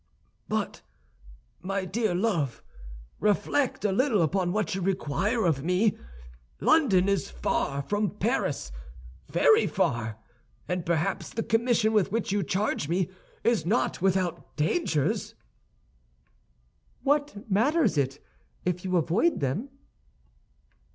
"But, my dear love, reflect a little upon what you require of me. London is far from Paris, very far, and perhaps the commission with which you charge me is not without dangers?" "What matters it, if you avoid them?"